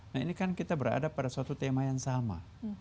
nah ini kan kita berada pada suatu tema yang sama